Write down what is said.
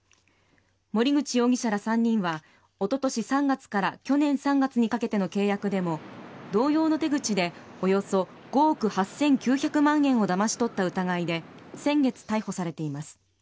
森口容疑者ら３人はおととし３月から去年３月にかけての契約でも同様の手口でおよそ５億８９００万円をだまし取った疑いで先月、逮捕されています。